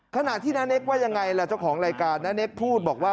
ขณะที่น้าเนกว่ายังไงล่ะเจ้าของรายการน้าเน็กพูดบอกว่า